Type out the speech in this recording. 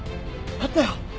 あったよ！